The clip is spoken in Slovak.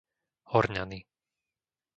Horňany